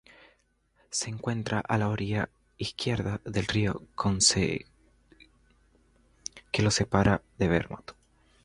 Se encuentra a la orilla izquierda del río Connecticut, que lo separa de Vermont.